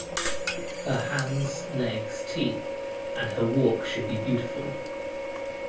Her hands, legs, teeth and her walk should be beautiful.